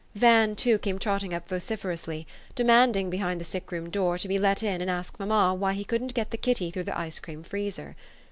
Van, too, came trotting up vociferously, de manding, behind the sick room door, to be let in and ask mamma why he couldn't get the kitty THE STORY OF AVIS. 331 through the ice cream freezer.